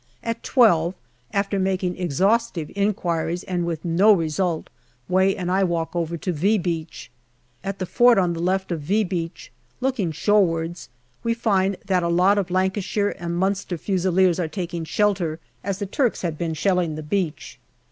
At twelve, after making exhaustive inquiries and with no result, Way and I walk over to " V " Beach. At the fort on the left of " V " Beach, looking shore AUGUST 199 wards, we find that a lot of Lancashire and Munster Fusiliers are taking shelter, as the Turks had been shelling the beach.